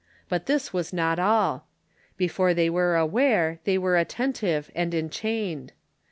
But this was not all. Before they were aware they were atten tive and enchained.